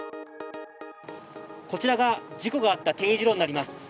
こちらが事故があった丁字路になります。